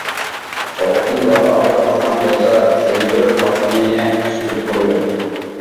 سوغۇقتىن گال ئاغرىپ قالغان بولسا زەنجىۋىل تالقىنىنى ئىچكۈزۈپ قويىدۇ.